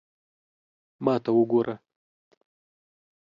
ما ته وګوره